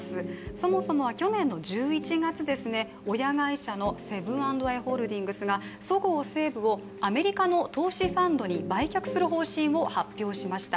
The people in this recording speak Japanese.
そもそもは去年の１１月、親会社のセブン＆アイ・ホールディングスがそごう・西武をアメリカの投資ファンドに売却する方針を発表しました。